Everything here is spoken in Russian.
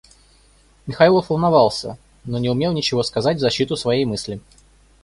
Михайлов волновался, но не умел ничего сказать в защиту своей мысли.